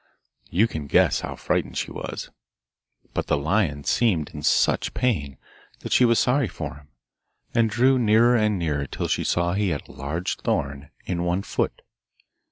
You can guess how frightened she was! But the lion seemed in such pain that she was sorry for him, and drew nearer and nearer till she saw he had a large thorn in one foot.